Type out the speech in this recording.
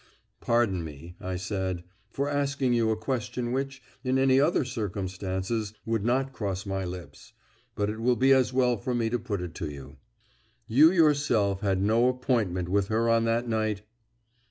"Pardon me," I said, "for asking you a question which, in any other circumstances, would not cross my lips; but it will be as well for me to put it to you. You yourself had no appointment with her on that night?"